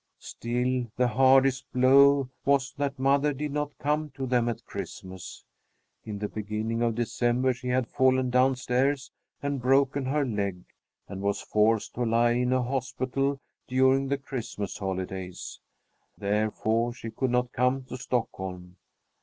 Still the hardest blow was that mother did not come to them at Christmas. In the beginning of December she had fallen down stairs and broken her leg, and was forced to lie in a hospital during the Christmas holidays, therefore she could not come to Stockholm.